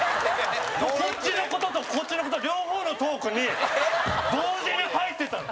こっちの事と、こっちの事両方のトークに同時に入ってたの。